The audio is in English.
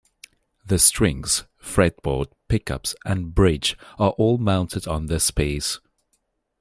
The strings, fretboard, pickups and bridge are all mounted on this piece.